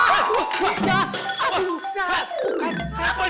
deket deket saya lagi